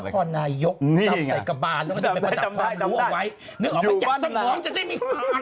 นครนายกจำใส่กระบาลแล้วก็ได้เป็นบรรดาความรู้เอาไว้